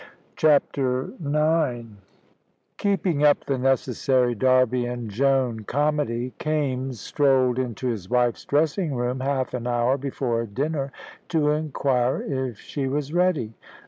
CHAPTER IX Keeping up the necessary Darby and Joan comedy, Kaimes strolled into his wife's dressing room half an hour before dinner to inquire if she was ready.